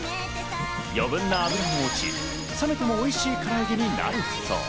余分な油も落ち、冷めてもおいしいからあげになるそう。